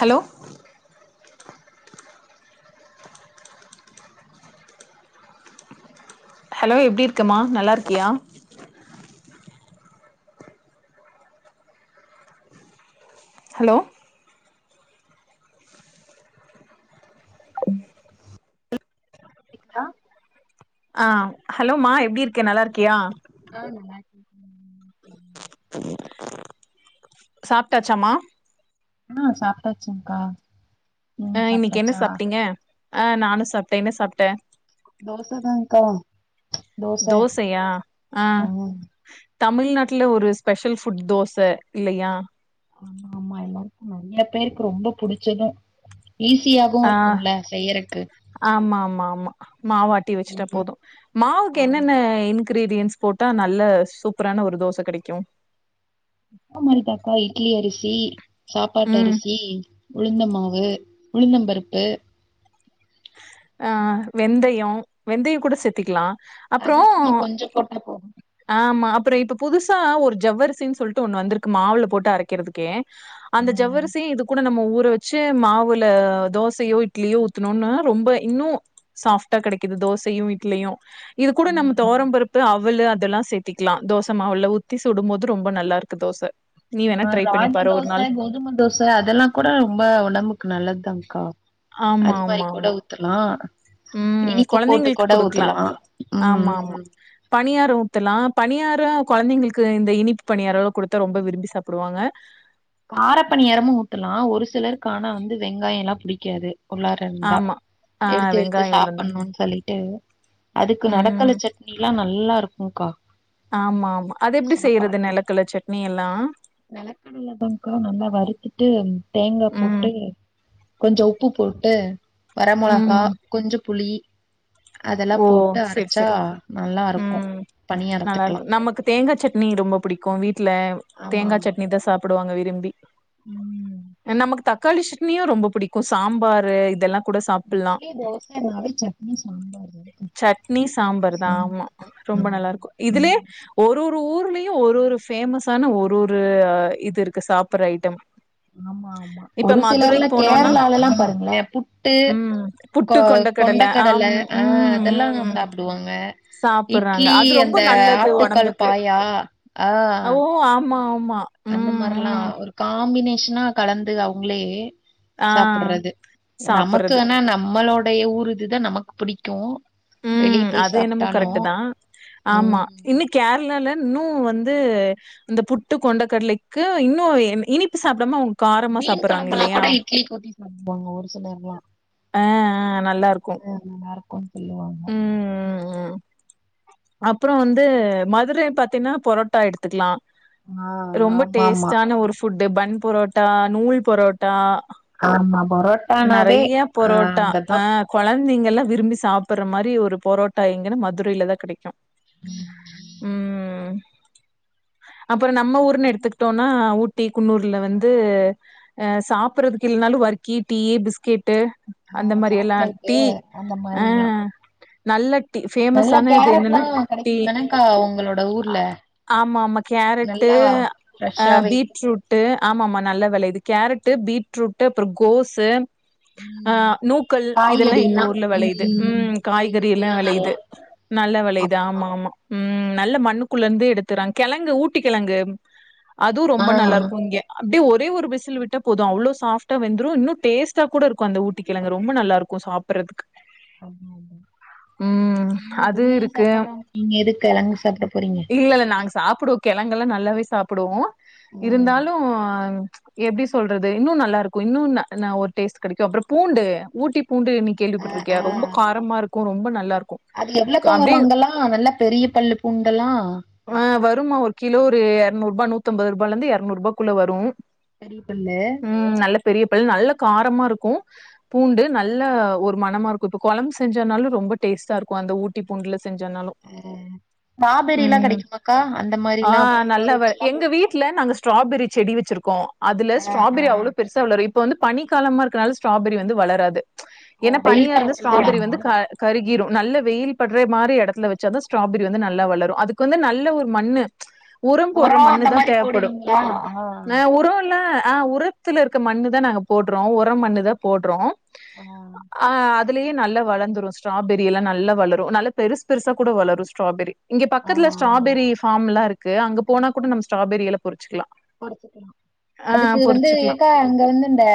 Hello hello எப்படி இருக்கமா நல்லா இருக்கியா ஹலோ கேக்குதா ஆ ஹலோ மா எப்படி இருக்கே நல்லா இருக்கியா ஆம்ம சாப்ட்டாச்சா மா ம் சாப்பிட்டாச்சுகா அ இன்னைக்கு என்ன சாப்பிட்டீங்க ஆ நானு சாப்ட்டே என்ன சாப்ட்ட தோசதான்க்கா தோச தோசையா ஆ தமிழ்நாட்டுல ஒரு ஸ்பெஷல் ஃபுட் தோச இல்லையா ஆமா ஆமா எல்லாருக்கு நிறைய பேருக்கு ரொம்ப புடிச்சது ஈஸியாவு ஆ இருக்கும்ல செய்யறக்கு ஆமா ஆமா ஆமா மாவு ஆட்டி வச்சுட்டா போதும் மாவுக்கு என்னென்ன ஆமா இன் கிரீடியன்ஸ் போட்டா நல்ல சூப்பரான ஒரு தோச கிடைக்கும் மாவு அரைதாக்கா இட்லி அரிசி சாப்பாட்டு ம் அரிசி உளுந்த மாவு உளுந்த பருப்பு அ வெந்தயம் வெந்தயம் கூட செத்தக்கலா அது அப்புறம் சும்மா கொஞ்சம் போட்டா போதும் ஆமா அப்புறம் இப்ப புதுசா ஒரு ஜவ்வரிசின்னு சொல்லிட்டு ஒண்ணு வந்திருக்கு மாவுல போட்டு அரைக்கிறதுக்கே ஆ அந்த ஆ. ஜவரிசையும் இது கூட நம்ம ஊற வச்சு மாவுல தோசையோ இட்லியோ ஊத்தணும்னு ரொம்ப இன்னு சாஃப்டா கிடைக்குது தோசையு இட்லியு இது கூட நம தொவரபருப்பு அவள் அதெல்லா சேத் திக்கலா தோச மாவு உள்ள ஊத்தி சுடும்போது ரொம்ப நல்லா இருக்கு தோச நீ வேணா ட்ரை பண்ணி ராகி பாரு ஒரு நாள். தோச கோதும தோச அதெல்லாம் கூட ரொம்ப உடம்புக்கு நல்லதுதான்கா ஆமா ஆமா ஆமா ஊத்துலா ம். இனிப்பு போட்டு குழந்தைங்களுக்கு கூட ஊத்துலா உம் பணியார ஊத்தலா பணியாரம் குழந்தைங்களுக்கு இந்த இனிப்பு பணியாரலாம் கொடுத்தா ரொம்ப விரும்பி சாப்பிடுவாங்க காரப்பனியாரமும் ஊட்டலாம் ஒரு சிலருக்கானா வந்து வெங்காயம் எல்லாம் புடிக்காது உள்ளாரந்தா ஆமா ஆ எடுத்து எடுத்து வெங்காய உளுந்து சாப்ட்ணும்னு சொல்லிட்டு அதுக்கு நடக்கல ம் சட்னி எல்லாம் நல்லா இருக்கும்கா ஆமா ஆமா அது எப்படி செய்யறது நெலக்கல சட்னி எல்லா நெலகடல தான்கா நல்லா வறுத்துட்டு தேங்கா ம் போட்டு கொஞ்சம் உப்பு போட்டு வர மளகா ம் கொஞ்சம் புளி அதெல்லா ஓ போட்டு செரி அரச்சா செரி நல்லா இருக்கு ம் பணியரத்துக்கலா நல்லாருக்கு நமக்கு தேங்கா சட்னி ரொம்ப பிடிக்கும் வீட்டல ஆமா தேங்காய் ஆமா சட்னி தா சாப்பிடுவாங்க விரும்பி ம் நமக்கு தக்காளி சட்னியும் ரொம்ப பிடிக்கும் சாம்பாரு இதெல்லா கூட சாப்பிடலா டிஃபன் நாலே சட்னி சாம்பார் சட்னி சாம்பார் தா ஆமா ரொம்ப நல்லா இருக்கும் இதுலயே ஒரு ஒரு ஊர்லயும் ஒரு ஒரு ஃபேமஸான ஒரு ஒரு இது இருக்கு சாப்பற ஐட்டம் ஆமா ஆமா இப்ப ஒரு சிலர்ல மதுரைக்கு போனோனா கேரளால எல்லாம் பாருங்களே புட்டு ம் கொ புட்டு கொண்ட கொண்டக் கடல ஆம் ஆ ம் அதெல்லா ம் சாப்டுவாங்க சாப்புட்றாங்க இட்லி அது ரொம்ப அந்த நல்லது ஆட்டுக்கால் ஒடம்புக்கு பாயா ஆ ஓ ஆமா ஆமா அந்த ம் மாரில்லா ம் ஒரு காம்பினேஷனா கலந்து அவுங்களே ஆ சாப்ட்றது சாப்புட்றது நமக்குனா நம்மளுடைய ஊரு இதுதா நமக்கு புடிக்கு வெளிய ம் போய் அது என்னமோ சாப்ட்டாலு கரெக்ட் தா ஆமா ம் இன்னு கேரளால இன்னு வந்து இந்த புட்டு கொண்டக் கடலைக்கு இன்னு இனிப்பு சாப்டாம அவுங் மீன் கொழம்பெல்லா கூட இட்லிக்கி ஊத்தி சாப்டுவாங்க ஒரு சிலர்லா ஆ ஆ நல்லா இருக்கு அது நல்லாருக்குன்னு சொல்லுவாங்க அப்பறோ வந்து மதுர பாத்தின்னா பொரோட்டா எடுத்துக்கலா ஆ ரொம்ப ஆமாமா டேஸ்டான ஒரு ஃபுட்டு் பன் பொரோட்டா நூல் பொரோட்டா ஆமா பரோட்டானாவே நெறையா ஆ பொரோட்டா அங்கதா ஆ கொழந்தைங்கெல்லா விரும்பி சாப்ட்ற மாரி ஒரு பொரோட்டா எங்கன்னா மதுரைலதா கெடைக்கு ம் அப்பறோ நம்ம ஊர்னு எடுத்துக்கிட்டோன்னா ஊட்டி குன்னூர்ல வந்து ஆ சாப்ட்றதுக்கு இல்லனாலு வர்க்கி டீ பிஸ்கெட்டு ஆ அந்த மாரி எல்லா சாக்லேட்டு டீ அந்த ஆ மாரிலா நல்ல டீ பேமஸ் ஆன டுல்லா கெடைக்கு தானக்கா உங்களோட ஊர்ல ஆமா ஆமா கேரட்டு நல்லா ஆ ஃப்ரெஷ்ஷாவே பீட் ரூட் ஆம ஆமா நல்ல வெளையுது கேரட்டு பீட்ரூட் அப்பறோ கோஸு அ ம் நூக்கள் இதெல்லா எங்க காய்கறிலா ஊர்ல வெளையுது ம் காய்கறி எல்லா காய்கறிலா நல்லா வெளயுது நல்ல வெளையுது அதுதா ஆமா ஆமா ம் நல்ல மண்ணுக்குள்ள இருந்து எடுத்துறாங்க கெழங்கு ஊட்டி கெழங்கு அதுவு ஆ ரொம்ப நல்லா இருக்கு இங்க அப்டியே ஒரே ஒரு விசில் விட்டா போது அவ்ளோ சாஃப்ட்டா வெந்துரு இன்னு டேஸ்டா கூட இருக்கு அந்த ஊட்டி கெழங்கு ரொம்ப நல்லா இருக் கு சாப்ட்றதுக்கு ம் இங்க அது பிரியாணி இருக்கு. சாப்ட்றோம் நீங்க எதுக்கு கெழங்கு சாப்ட போறீங்க இல்லல்ல நாங்க சாப்டுவோ கெழங்கெல்லா நல்லாவே சாப்டுவோ ம் இருந்தாலு எப்டி சொல்றது இன்னு நல்லா இருக்கு இன்னு நா நா ஒரு டேஸ்ட் கெடைக்கு அப்பறோ பூண்டு ஊட்டி பூண்டு நீ ஆ கேள்விப்பட்ருக்கியா ஆ ரொம்ப காரமா இருக்கு ரொம்ப நல்லா இருக்கு அது எவ்வளக்கா வரு அங்கல்லா நல்லா பெரிய பல்லு பூண்டலா ஆ வருமா ஒரு கிலோ ஒரு இரநூறு ரூபா நூத்தம்பது ரூபால இருந்து இரநூறு ரூபாக்குள்ள வரு பெரிய பல்லு ம் நல்ல பெரிய பல் நல்ல காரமா இருக்கு பூண்டு நல்ல ஒரு மணமா இருக்கு இப்ப கொழம்பு செஞ்சனாலு ரொம்ப டேஸ்ட்டா இருக்கு அந்த ஊட்டி பூண்டுல செஞ்சனாலு ஸ்ட்ராபெரில்லா ம் கெடைக்குமாக்கா அந்த ஆ மாரில்லா நல்ல வ ஃப்ரூட்ஸ்லா எங்க வீட்ல நாங்க ஸ்ட்ராபெரி செடி வச்சிருக்கோ அதுல ஆ ஆ ஸ்ட்ராபெரி அவ்ளோ பெருசா வளரு இப்ப வந்து பனிக்காலமா இருக்கனால ஸ்ட்ராபெரி வந்து வளராது ஓ ஏன்னா வெயில் பனியா இருந்தா காலத்துலதா ஸ்ட்ராபெரி வளருமா வந்து கா கருகீறு நல்ல வெயில் பட்ற மாரி எடத்துல வச்சாதா ஸ்ட்ராபெரி வந்து நல்லா வளரு அதுக்கு வந்து நல்ல ஒரு மண்ணு உரம் போடுற ஒரோ மண்ணு அந்த தா மாரி தேவப்படு போடுவீங்களா ஆ உரோல்லா ஆ உர த்துல இருக்க மண்ணு தா நாங்க போடுறோ உரோ மண்ணு தா போடுறோ ஆ அ அதுலயே நல்லா வளந்துரு ஸ்ட்ராபெரி எல்லா நல்லா வளரு நல்லா பெருசு பெருசா கூட வளரு ஸ்ட்ராபெரி இங்க ஆ பக்கத்துல ஆ ஸ்ட்ராபெரி ஃபார்ம்ல்லா இருக்கு அங்க போனா கூட நம்ம ஸ்ட்ராபெரியல்லா பொறிச்சுக்கலா ஆ அதுக்கு வந்து பொறிச்சுக்கலா எக்கா அங்க வந்து இந்த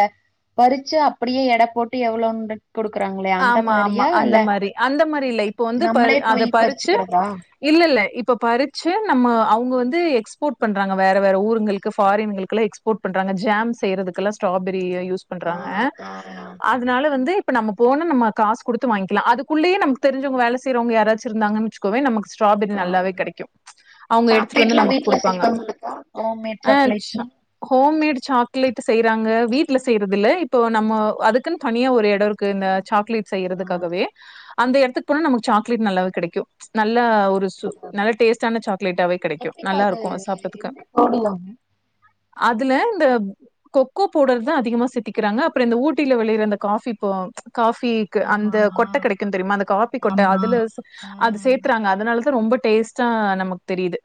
பறிச்சு அப்டியே எட போட்டு எவ்ளோன்று குடுக்றாங்ள ஆம்மா ஆம்மா அந்த மாரி அந்த மாரி இல்ல இப்போ வந்து பரு நம்மளே போய் அத பறிச்சு பறிச்சுக்கிறதா இல்லல்ல இப்ப பறிச்சு நம்ம அவுங்க வந்து எக்ஸ்போர்ட் பண்றாங்க வேற வேற ஊருங்களுக்கு ஃபாரின்களுக்கு எக் போட் பண்றாங்க ஜேம் செய்றதுக்கெல்லா ஸ்டாராபெரிய யூஸ் ஆ பண்றாங்க ஆ அதனால வந்து இப்ப நம்ம போன நம்ம காசு குடுத்து வாங்க்கிலா அதுக்குள்ளேயே நம்க்கு தெரிஞ்சவங்க வேல செய்றவங்க யாராச்சு இருந்தாங்கன்ச்சு க்குவே நமக்கு ஸ்டாராபெரி ஆ நல்லாவே கெடைக்கு அவுங்க எடுத்துட்டு வந்து சாக்லேட்லா நமக்கு வீட்ல குடுப்பாங்க செய்வாங்கல்லக்கா ஹோம்மேட் அ ச்ச சாக்லேட்னு ஹோம்மேடு சாக்லேட்டு செய்றாங்க வீட்ல செய்றது இல்ல இப்போ நம்ம அதுக்குன் தனியா ஒரு எடோரு க்குங்க சாக்லேட் ஆ செய்யறதுக்காகவே அந்த எடத்துக்கு போனா நமக்கு சாக்லேட் நல்லாவே கெடைக்கு நல்லா ஒரு சு நல்ல டேஸ்ட்டான சாக்லேட்டாவே கெடைக்கு நல்லாருக்கு அது சாப்டதுக்கு என்ன போடுவாங்க அதுல இந்த கொக்கோ பவுடர் தா அதிகமா சித்திக்கிறாங்க அப்றோ இந்த ஊட்டில வெளயிற அந்த காஃபி ப காஃபிக்கு அந்த ஆமாமா கொட்ட கெடைக்கு தெரிமா அந்த காபி கொட்ட ஆமா அதுல ஆ அது சேத்றாங்க அதனாலதா ரொம்ப டேஸ்டா நமக்கு தெரியிது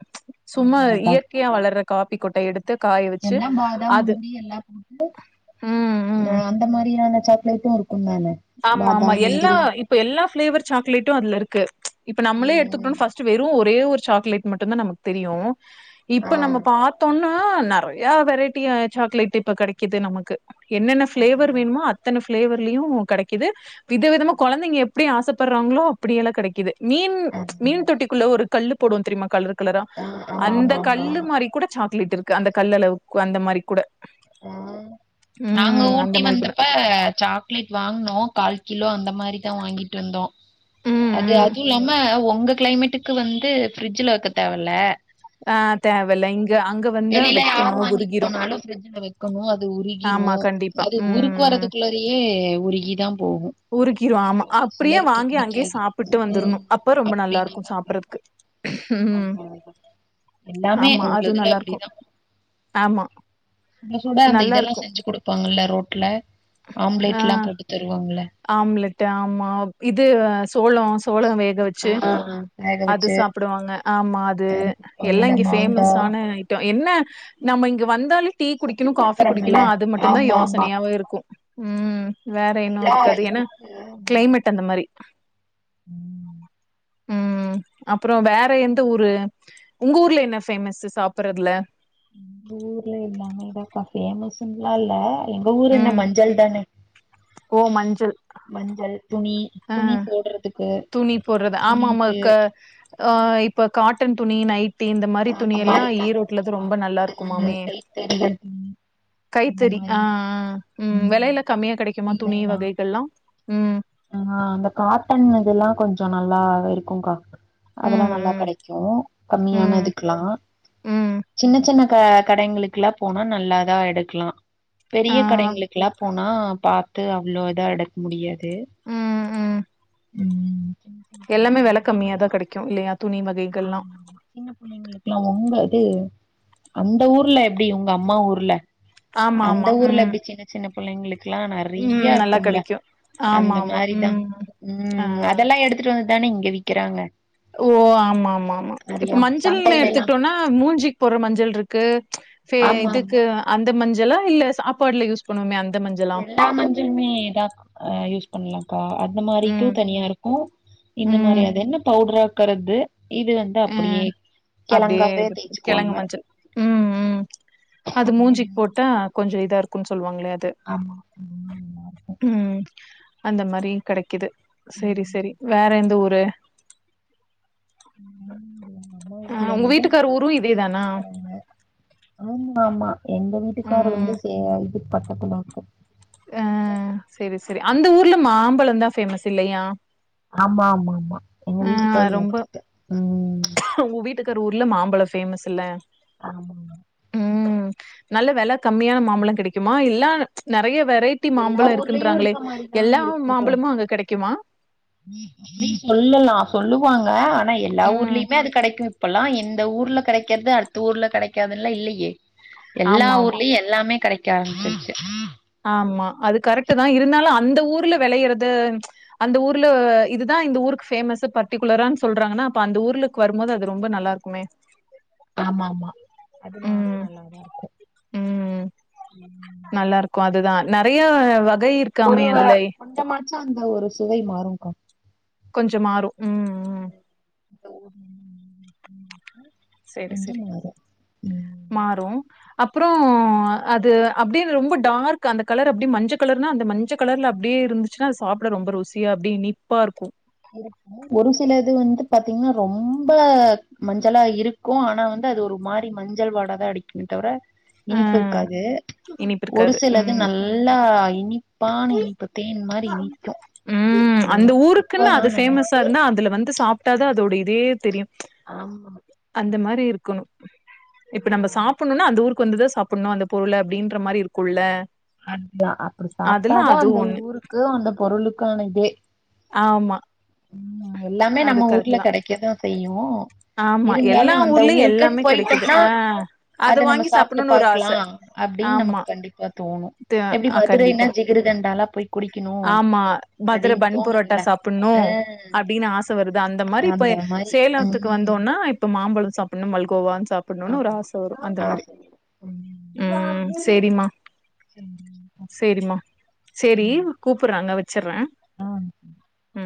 சும்மா அதா அதா இயற் கையா வளர்ற காப்பி கொட்டை எடு த்து காய வச்சு எல்லா பாதாம் அது முந்திரி எல்லா போட்டு ம் ம் அ அந்த மாரியான சாக்லேட்டு இருக்கு தான ஆமாமா பாதாம் எல்லா முந்திரி இப்ப எல்லா ஃ பிளேவர் சாக்லேட்டு அதுல இருக்கு இப்ப நம்மளே ம் ம் எடுத்துக்கிட்டோனு ஃபஸ் டு வெறு ஒரே ஒரு சாக்லேட் மட்டு தா நமக்கு தெரியு ஆ இப்ப நம்ம பாத்தோனா ஆ நெறயா வெரைட்டியா சாக்லேட்டு இப்ப கெடைக்குது நமக்கு என்னென்ன ஃபிளேவர் அதுதா வேணுமோ அ த்தன ஃபிளேவர்ல்லயு கெடைக்குது வித விதமா கொழந்தைங்க எப்டி ஆசப்பட்றாங்களோ அப்படியெல்லா கெடைக்குது மீன் அதுதா மீன் தொட்டிக்குள்ள ஒரு கல்லு போடுவோ தெரிமா கல்ரு கலரா ஆ ஆமா அந்த ஆமா ஆமா கல்லு மாரி கூட சாக்லேட் இருக்கு அந்த கல்ல அளவுக் அந்த மாரி கூட நாங்க ம் அந்த ஊட்டி மாரி கூட வந்தப்ப சாக் லேட் வாங்னோ கால் கிலோ அந்த மாரி தா வாங்கிட்டு வந்தோ ம் அது ம் அது இல்லாம ஒங்க கிளைமேட்டுக்கு வந்து ஃபிரிட்ஜ்ஜூல வெக்க தேவல்ல ஆ தேவல்லங் வெளில யாரு வாங்கிட்டு போனாலு ஃபிரிட்ஜ்ல வைக்கணு அது ஆமா உருகிரு கண்டிப்பா அது உருக்கு ம் வர்றதுக்குள்ளரயே உருகி தா போகு உருக்கிரு ஆமா ஒரு அப்டியே சிலருக்கு வாங்கி அங்கேயே பிடிக்காது சாப்பிட்டு வந்துரணு ம் அப்ப ரொம்ப நல்லா இருக்கு சாப்பட்றதுக்கு ஆமாமா எல்லாமே ஆமா அது உங்களதுல நல்லா இருக்கு அப்டிதா ஆமா சுட சுட அந்த நல்லா இதெல்லா இருக்கு செஞ்சு குடுக் ப்பாங்கள்ல ரோட்ல ஆ ஆம்லேட்லா போட்டு தருவாங்கல ஆம்லெட் ஆம்மா இது சோளோ சோளோ வேக வச்சு வேக அது வச்சு சாப்புடுவாங்க ஆமா அது குடுப்பாங்க எல்லா இந்த இங்கே மாங்கா ஃபேமஸான ட்டு என்ன நம்ம இங்க வந்தாலு டீ சுத்தி குடிக்கணு காஃபி பாக்குறோம்ல குடிக்கணு அது மட்டு தா ஆமா ஆமா யோசனையாவு இருக்கு ம் வேற இன்னு நல்லா இருக்கு அது ஏன்னா இதுக்கு கிளைமேட் அந்த மாரி ம் ம் அப்றோ வேற எந்த ஊரு உங்க ஊர்ல என்ன ஃபேமஸ்சு சாப்பறதுல எங் ஊர்ல எல்லாமே தா [unintelligible] பேமஸ்ன்லா இல்ல எங்க ஊரு என்ன ம் மஞ்சள் தானே ஓ மஞ்சள் மஞ்சள் துணி ஆ துணி போட்றதுக்கு துணி போடுறது ஆமா ஆமா துணிக்கு க ஆ இப்ப காட்டன் துணி நைட் இந்த மாரி துணி அந்த எல்லா மாரிலா ஈரோட்டுலதா ரொம்ப நல்லா ம் இருக்குமாமே கைத்தறிகள் துணி அந்த மாரி கைத்தறிஆ ம் விலையில கம்மியா கிடைக்குமா துணி சீலைலா வகைகள் எல்லாம் ம் அந்த காட்டன் இதெல்லா கொஞ்ச நல்லா இருக்குங்கா அதெல்லா ம் நல்லா ம் கிடைக்கு கம்மியான ம் இதுக்கெல்லா ம் சின்ன சின்ன பெ கடைங்களுக்கெல்லா போனா நல்லதா எடுக்லா ஆ பெரிய கடைங்களுக்கெல்லா போனா நா பாத்து அவ்வளவு இதா எடுக்க முடியாது ம் ம் ம் சின்ன சின்ன எல்லாமே வில கடைங்கலா கம்மியாதா நல்லா கிடைக்கு இல்லையா துணி வகைகள்லா ஆமா ஆமா சின்ன பிள்ளைங்களுக்கெல்லா உங்க அது அந்த ஊர்ல எப்டி உங்க அம்மா ஊர்ல ஆமா அந்த ஆமா ஊர்ல ம் எப்டி சின்ன சின்ன பிள்ளைங்களுக்கெல்லா ம் நெறைய நல்லா இருக்கும்ல கெடைக்கு ஆமா அந்த ஆமா சரிதா ம் ம் ஆ அதெல்லா எடுத்துட்டு வந்துதானே இங்க விக்கிறாங்க ஓ ஆமா ஆமா ஆமா இப்ப நெறையா மஞ்சள்னு சந்தையிலல்லா எடுத்துக்கிட்டோம்னா மூஞ்சிக்கு போடுற மஞ்சள் இருக்கு சே ஆமா ஆமா இதுக்கு அந்த மஞ்சளா இல்ல சாப்பாடுல யூஸ் பண்ணுவோமே அந்த மஞ்சளா எல்லா மஞ்சலுமே யூஸ் பண்ணல்கா அந்த மாரிக்கு ம் தனியா இருக்கு ம் இந்த மாரி ம் அது என்ன பவுடராக்கறது இது வந்து அ அப்டியே அப்டியே கிழங்காவே இது கெழங்கு தேய்ச்சுக்குவாங்க மஞ்சள் ம் ம் அது மூஞ்சிக்கு போட்டா கொஞ்ச இதா இருக்கும்ன்னு சொல்லுவாங்களே அது ஆமா ம் அந்த மாரியு கிடைக்குது சேரி சேரி வேற எந்த ஊரு [unintelligible] ஆ உங்க இருந்துதா வீட்டுக்கார ஊரு இதே தானா ஆமா ஆமா எங்க வீட்டுக்காரரு ம் வந்து சே இது பக்கத்துலா இருக்கு அ சேரி சேரி அந்த ஊர்ல மாம்பழம்தா ஃபேமஸ் இல்லையா ஆமா ஆமா ஆமா எங்க ஆ வீட்டுக்கார ரொம்ப ஓட்டே ம் உங்க வீட்டுக்கரு ஊர்ல மாம்பழம் பேமஸ் இல்ல ஆமா மா ம் நல்ல வில கம்மியான மாம்பழம் கிடைக்குமா இல்லா நெறைய வெரைட்டி குட்டி எல்லா மாம்பழம் ஊர்லயும் இருக்குன்றாங்களே இருக்க மாரிதான் எல்லா மாம்பழமு அங்க கிடைக்குமா அப்ப சொல்லலா சொல்லுவாங்க ஆனா எல்லா ம் ஊர்லயுமே அது கிடைக்கு இப்பல்லா இந்த ஊர்ல கிடைக்கிறது அடுத்த ஊர்ல கிடைக்காதுல்ல இல்லையே எல்லா ஆமா ஆமா ஊர்லயு எல்லாமே கிடைக்க ஆரம்பச்சிச்சு ஆமா அது கரெக்ட் தா இருந்தாலு அந்த ஊர்ல விளையறது அந்த ஊர்ல இதுதா இந்த ஊருக்கு பேமஸ் பர்டிகுலரனு சொல்றாங்கன்னா அ அந்த ஊர்ல கு வரும்போது அது ரொம்ப நல்லா இருக்குமே ஆமா ஆமா அது நா ம் நல்லாதா இருக்கு இருக்கு அதுதா நெறைய வகை இருக்கு ஒரு கொண்டமாச்சா அந்த ஒரு சுவை மாறும்கா கொஞ்ச மாறு ம் ம் [unintelligible] சேரி கொஞ்சம் சேரி மாறு ம் மாறும் அப்புற அது அப்டினு ரொம்ப டார்க் அந்த கலர் அப்டியே மஞ்ச கலர்னா அந்த மஞ்ச கலர்ல அப்டியே இருந்துச்சா அத சாப்பிட ரொம்ப ருசியா அப்படிே இனிப்பா இருக்கு இருக்கு ஒரு சில இது வந்து பாத்தீங்கன்னா ரொம்ப மஞ்சளா இருக்கு ஆனா வந்து அது ஒரு மாறி மஞ்சள் வாடாதா அடிக்குணு தவிர ஆ இனிப்பு இருக்காது இனிப்பு ஒரு இருக்காது சிலது ம் நல்லா இனிப்பான இனிப்பு தேன் மாரி இனிக்கு ம் நல்லா அந்த ஊருக்குன்னு இப்பதா அது நல்லா பேஃமஸா இருந்தா அதுல வந்து சாப்பிட்டாதா அதோட இதே தெரியும் ம்ச் ஆமா அந்த மாரி இருக்கணு இப்ப நம்ம சாப்பிடணும்னா அந்த ஊருக்கு வந்துதா சாப்பிடணு அந்த பொருள அப்படின்ற மாரி இருக்குல்ல அதுதா அப்டி அதெல்லா சாப்பிட்டாதா அது அந்த ஒண்ணு ஊருக்கு அந்த பொருளுக்கான இதே ஆமா ம் எல்லாமே அது நம்ம கரெக்ட் ஊர்ல தா கெடைக்கதா செய்யு ஆமா எல்லா இருந்தாலும் அந்த ஊர்லயு ஊருக்குன்னு எல்லாமே கெடைக்குது போயிட்டோம்னா ஆ அது அத நம்ம வாங்கி சாப்பிட்டு சாப்புட்ணுனு ஒரு ஆச பாக்கலா அப்டின்னு நமக்கு ஆமா கண்டிப்பா தோ தோணு த எப்படி ஆ கண்டிப்பா மதுரைனா ஜிகிருதண்டாலா போய் குடிக்கணு அப்டின் தோணுதுல ப்பண்ணு ஆ அப்டின்னு ஆச வருது அந்த மாதிரி இப்ப மாரி சேலத்துக்கு ம் வந்தோம்ன்னா இப்ப மாம்பழம் சாப்பிடணு மல்கோவான் சாப் பண்ணுன்னு ஒரு ஆமா ஆச வரு அந்த ஆ மாரி ம் செரிமா செரி செரிம்மா செரி கூப்படுறாங்க வச்சர்றே ஆஹ ம்